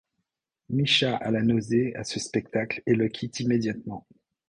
Micha a la nausée à ce spectacle et le quitte immédiatement.